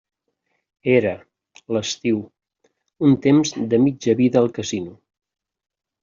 Era, l'estiu, un temps de mitja vida al casino.